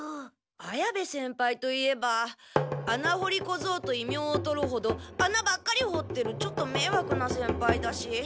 綾部先輩といえばあなほりこぞうとい名をとるほどあなばっかりほってるちょっとめいわくな先輩だし。